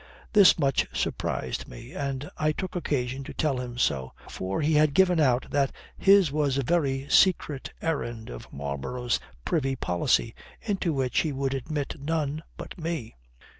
This much surprised me, and I took occasion to tell him so, for he had given out that his was a very secret errand of Marlborough's privy policy, into which he would admit none but me.